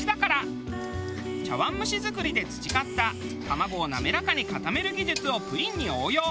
茶碗蒸し作りで培った卵を滑らかに固める技術をプリンに応用。